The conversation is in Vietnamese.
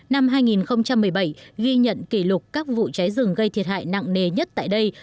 năm hai nghìn một mươi bảy ghi nhận kỷ lục các vụ cháy rừng gây thiệt hại nặng nề nhất tại đây